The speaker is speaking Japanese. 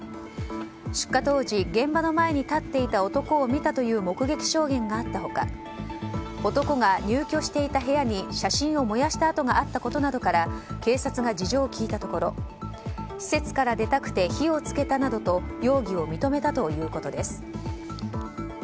出火当時現場の前に立っていた男を見たという目撃証言があった他男が入居していた部屋に写真を燃やした跡があったことなどから警察が事情を聴いたところ施設から出たくて火を付けたなどと容疑を認めたということです。